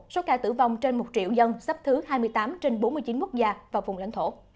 số ca tử vong trên một triệu dân sắp thứ hai mươi tám trên bốn mươi chín quốc gia và vùng lãnh thổ